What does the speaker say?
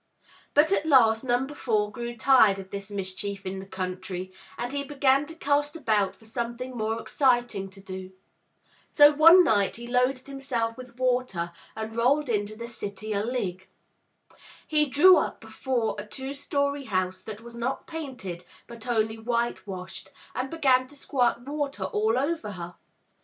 But at last Number Four grew tired of this mischief in the country, and he began to cast about for something more exciting to do. So one night he loaded himself with water and rolled into the City o' Ligg. He drew up before a two story house that was not painted, but only whitewashed, and began to squirt water all over her.